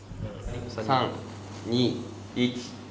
３２１。